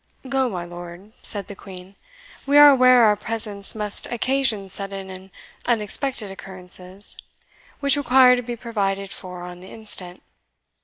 "Go, my lord," said the Queen. "We are aware our presence must occasion sudden and unexpected occurrences, which require to be provided for on the instant.